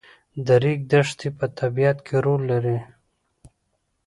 د ریګ دښتې په طبیعت کې رول لري.